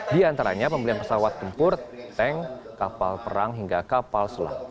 di antaranya pembelian pesawat tempur tank kapal perang hingga kapal selam